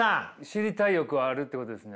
知りたい欲はあるっていうことですね。